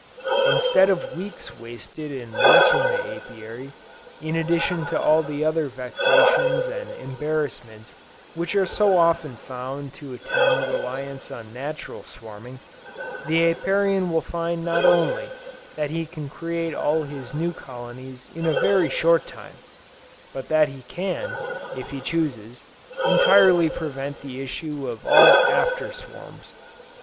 Instead of weeks wasted in watching the Apiary, in addition to all the other vexations and embarrassments which are so often found to attend reliance on natural swarming, the Apiarian will find not only that he can create all his new colonies in a very short time, but that he can, if he chooses, entirely prevent the issue of all after swarms.